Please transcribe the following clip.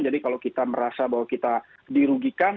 jadi kalau kita merasa bahwa kita dirugikan